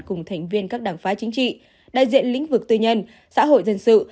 cùng thành viên các đảng phái chính trị đại diện lĩnh vực tư nhân xã hội dân sự